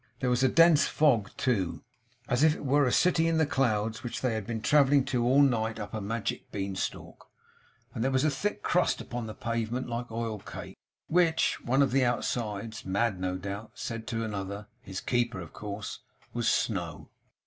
There was a dense fog too; as if it were a city in the clouds, which they had been travelling to all night up a magic beanstalk; and there was a thick crust upon the pavement like oilcake; which, one of the outsides (mad, no doubt) said to another (his keeper, of course), was Snow.